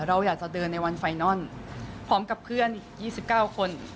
เราอยากจะเดินในวันไฟนอนพร้อมกับเพื่อนอีก๒๙คน